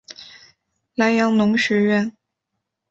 莱阳农学院。